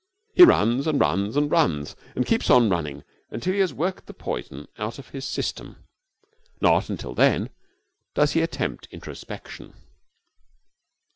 He runs and runs and runs, and keeps on running until he has worked the poison out of his system. Not until then does he attempt introspection.